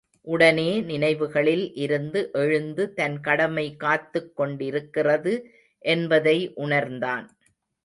உடனே நினைவுகளில் இருந்து எழுந்து தன் கடமை காத்துக் கொண்டிருக்கிறது என்பதை உணர்ந்தான்.